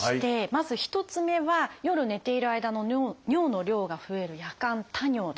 まず１つ目は夜寝ている間の尿の量が増える「夜間多尿」です